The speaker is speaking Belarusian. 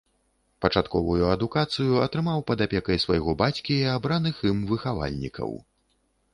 Пачатковую адукацыю атрымаў пад апекай свайго бацькі і абраных ім выхавальнікаў.